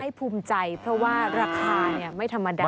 ภูมิใจเพราะว่าราคาไม่ธรรมดา